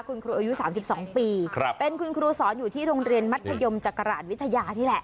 คุณครูอายุ๓๒ปีเป็นคุณครูสอนอยู่ที่โรงเรียนมัธยมจักราชวิทยานี่แหละ